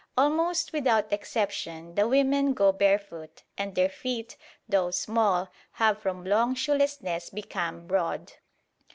Almost without exception the women go barefoot, and their feet, though small, have from long shoelessness become broad.